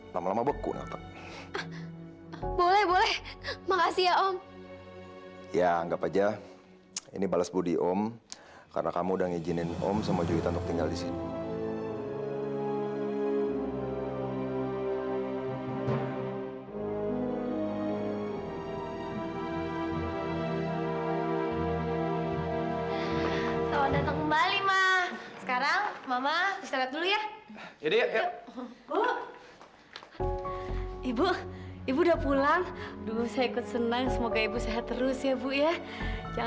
sampai jumpa di video selanjutnya